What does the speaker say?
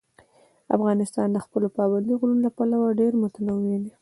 افغانستان د خپلو پابندي غرونو له پلوه ډېر متنوع دی.